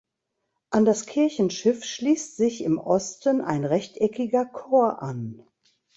An das Kirchenschiff schließt sich im Osten ein rechteckiger Chor an.